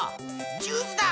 ジュースだ！